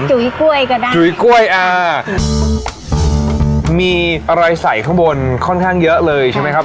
จุ๋ยกล้วยก็ได้จุ๋ยกล้วยอ่ามีอะไรใส่ข้างบนค่อนข้างเยอะเลยใช่ไหมครับ